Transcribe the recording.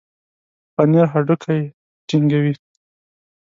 پنېر هډوکي ټينګوي.